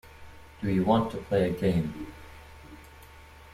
Do you want to play a game.